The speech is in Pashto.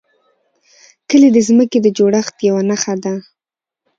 کلي د ځمکې د جوړښت یوه نښه ده.